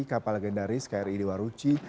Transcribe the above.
kapal legendaris kri dewaruchi